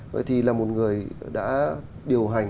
vậy thì là một người đã điều hành